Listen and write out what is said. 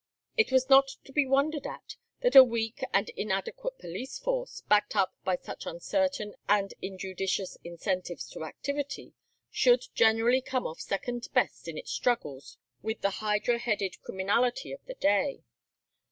It was not to be wondered at that a weak and inadequate police force, backed up by such uncertain and injudicious incentives to activity, should generally come off second best in its struggles with the hydra headed criminality of the day.